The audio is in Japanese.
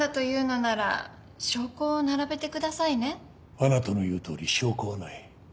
あなたの言うとおり証拠はない。